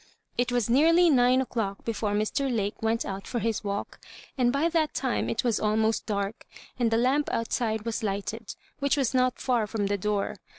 It was nearly nine o'clock before Mr. Lake went out for his walk, and by that time it was almost dark, and the lamp outside was lighted, which was not far firom the door.